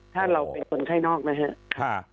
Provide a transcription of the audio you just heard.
ถ้าเราเป็นคนไข้นอกนะครับ